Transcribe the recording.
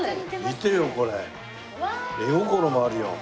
見てよこれ。絵心もあるよ。